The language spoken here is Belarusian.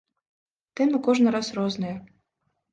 Тэмы кожны раз розныя.